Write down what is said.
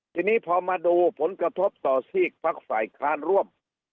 ทีนี้พอมาดูผลกระทบต่อซีกพักฝ่ายค้านร่วม